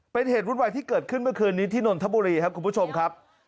เป็นเหตุวุ่นวายที่เกิดขึ้นเมื่อคืนนี้ที่นนทบุรีครับคุณผู้ชมครับ